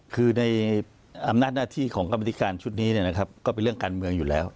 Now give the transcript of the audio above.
คือในอำนาจหน้าที่ของการมาที่การชุดนี้เนี่ยนะครับก็เป็นเรื่องการเมืองอยู่แล้ว